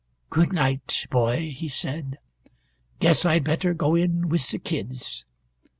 "Good night, boy," he said. "Guess I'd better go in with the kids.